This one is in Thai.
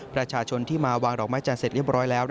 ประชาชนที่มาวางดอกไม้จันทร์เสร็จเรียบร้อยแล้ว